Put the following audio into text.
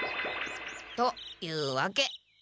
というわけ。